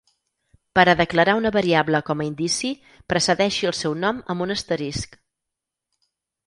Per a declarar una variable com a indici, precedeixi el seu nom amb un asterisc.